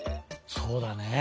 そうだね。